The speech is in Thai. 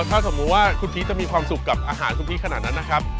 ถ้าสมมุติว่าคุณพีชจะมีความสุขกับอาหารคุณพีชขนาดนั้นนะครับ